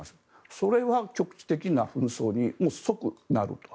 それは局地的な紛争に即、なると。